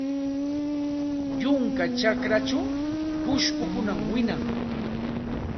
Yunka chakrachaw pushkukunam wiñan.